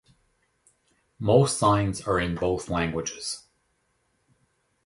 Most signs are in both languages.